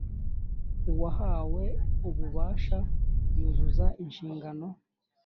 Uwahawe ububasha yuzuza inshingano